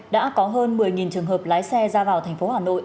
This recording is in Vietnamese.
đã có hơn một mươi trường hợp lái xe ra vào tp hà nội